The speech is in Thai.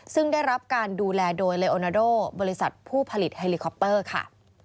ซึ่งได้รับการดูแลโดยเลโอนาโดบริษัทผู้ผลิตไฮลิคอปเตอร์ค่ะ